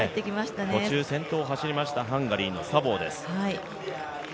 途中、先頭を走りましたハンガリーのサボーです。